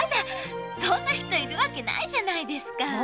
そんな人いるわけないじゃないですか。